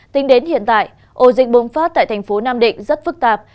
tính đến hiện tại ổ dịch bùng phát tại thành phố nam định rất phức tạp